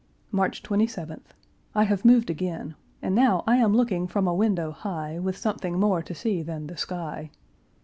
March 27th. I have moved again, and now I am looking from a window high, with something more to see than the sky.